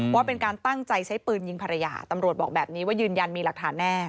ว่าเป็นการตั้งใจใช้ปืนยิงภรรยาตำรวจบอกแบบนี้ว่ายืนยันมีหลักฐานแน่